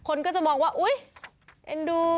คนก็จะมองว่าอุ๊ยเอ็นดู